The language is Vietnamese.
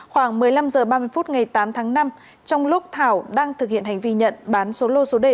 khoảng một mươi năm h ba mươi phút ngày tám tháng năm trong lúc thảo đang thực hiện hành vi nhận bán số lô số đề